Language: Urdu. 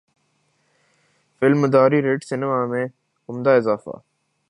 فلم مداری رٹ سینما میں عمدہ اضافہ